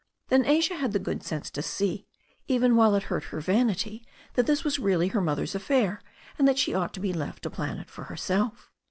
Then Asia had the good sense to see, even while it hurt her vanity, that this was really her mother's affair, and that she ought to be left to plan for herself.